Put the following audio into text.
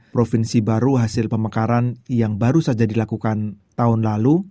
provinsi baru hasil pemekaran yang baru saja dilakukan tahun lalu